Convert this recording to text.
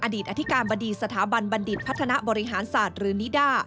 อธิการบดีสถาบันบัณฑิตพัฒนาบริหารศาสตร์หรือนิด้า